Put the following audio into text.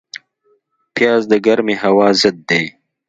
پیاز د ګرمې هوا ضد دی